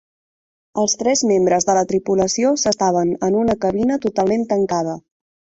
Els tres membres de la tripulació s'estaven en una cabina totalment tancada.